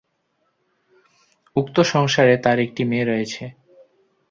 উক্ত সংসারে তাঁর একটি মেয়ে রয়েছে।